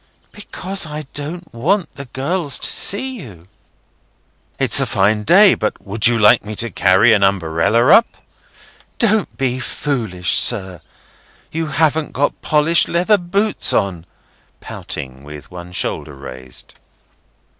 because I don't want the girls to see you." "It's a fine day; but would you like me to carry an umbrella up?" "Don't be foolish, sir. You haven't got polished leather boots on," pouting, with one shoulder raised.